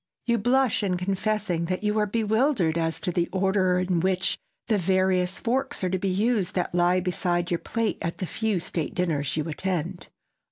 You blush in confessing that you are bewildered as to the order in which the various forks are to be used that lie beside your plate at the few state dinners you attend.